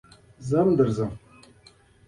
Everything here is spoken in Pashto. ما پیار نه ده ښه؛ ترينو ګړدود